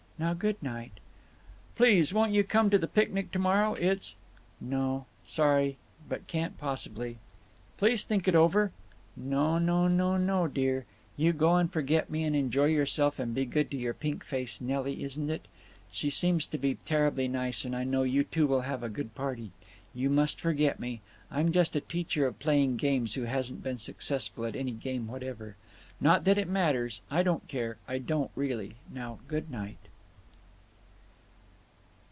Now, good night." "Please, won't you come to the picnic to morrow? It's—" "No. Sorry, but can't possibly." "Please think it over." "No, no, no, no, dear! You go and forget me and enjoy yourself and be good to your pink face—Nelly, isn't it? She seems to be terribly nice, and I know you two will have a good party. You must forget me. I'm just a teacher of playing games who hasn't been successful at any game whatever. Not that it matters. I don't care. I don't, really. Now, good night."